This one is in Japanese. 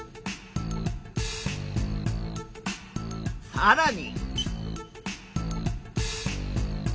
さらに。